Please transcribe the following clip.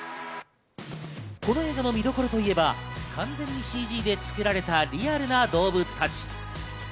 この映画の見どころといえば完全ＣＧで作られたリアルな動物たち。